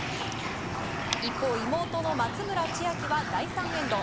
一方、妹の松村千秋は第３エンド。